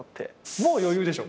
もう余裕でしょ？